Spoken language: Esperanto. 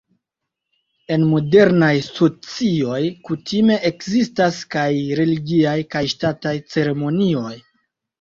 En modernaj socioj kutime ekzistas kaj religiaj kaj ŝtataj ceremonioj.